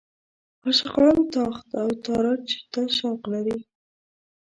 عاشقان تاخت او تاراج ته شوق لري.